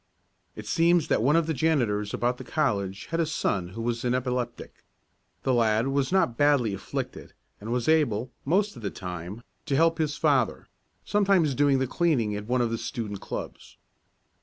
It seems that one of the janitors about the college had a son who was an epileptic. The lad was not badly afflicted and was able, most of the time, to help his father, sometimes doing the cleaning at one of the student clubs.